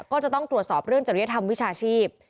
ก็จะต้องตรวจสอบเรื่องจริยธรรมวิชาชีพ